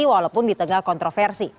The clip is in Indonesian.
walaupun di tengah kontroversi